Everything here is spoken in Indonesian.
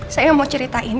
saya mau ceritain